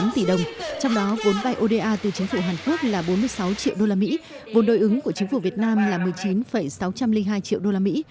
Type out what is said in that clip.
trong đó vốn bài oda từ chính phủ hàn quốc là bốn mươi sáu triệu đô la mỹ vốn đối ứng của chính phủ việt nam là một mươi chín sáu trăm linh hai triệu đô la mỹ